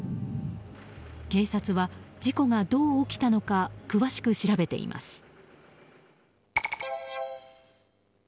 警察は事故がどう起きたのか詳しく調べています。